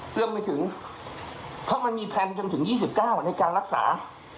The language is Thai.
เริ่มไม่ถึงเพราะมันมีแพลนจนถึงยี่สิบเก้าในการรักษา